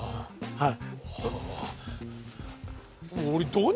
はい。